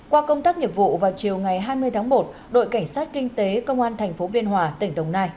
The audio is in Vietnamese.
qua công tác nhiệm vụ vào chiều ngày hai mươi tháng một đội cảnh sát kinh tế công an thành phố biên hòa tỉnh đồng nai